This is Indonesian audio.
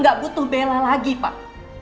gak butuh bela lagi pak